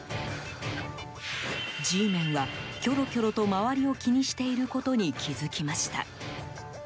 Ｇメンは、キョロキョロと周りを気にしていることに気づきました。